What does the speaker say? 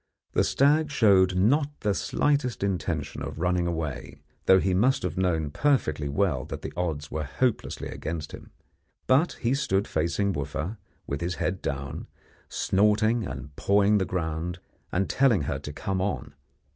The stag showed not the slightest intention of running away, though he must have known perfectly well that the odds were hopelessly against him; but he stood facing Wooffa, with his head down, snorting and pawing the ground, and telling her to come on.